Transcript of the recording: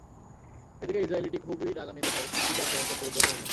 এদিকে ইসরাঈলীটি খুবই রাগান্বিত হয়ে কিবতীকে আক্রমণ করতে উদ্যত হল।